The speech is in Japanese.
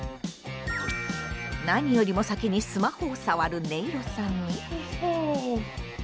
何よりも先にスマホを触るねいろさんに。